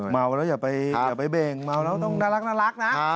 เมาแล้วอย่าไปเบ่งเมาแล้วต้องน่ารักนะ